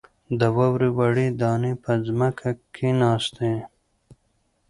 د واورې وړې دانې په ځمکه کښېناستې.